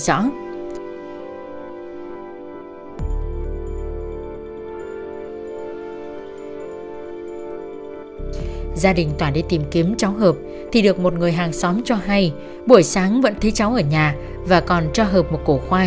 gia đình tỏa đi tìm kiếm cháu hợp thì được một người hàng xóm cho hay buổi sáng vẫn thấy cháu ở nhà và còn cho hợp một cổ khoai